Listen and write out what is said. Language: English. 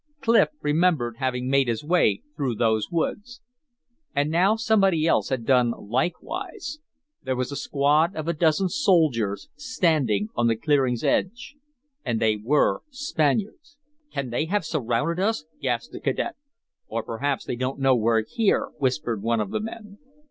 Clif remembered having made his way through those woods. And now somebody else had done likewise. There was a squad of a dozen soldiers standing on the clearing's edge. And they were Spaniards! "Can they have surrounded us?" gasped the cadet. "Or perhaps they don't know we're here," whispered one of the men.